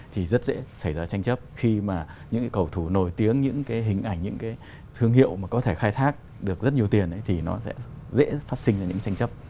thì rất dễ xảy ra tranh chấp khi mà những cái cầu thủ nổi tiếng những cái hình ảnh những cái thương hiệu mà có thể khai thác được rất nhiều tiền thì nó sẽ dễ phát sinh ra những tranh chấp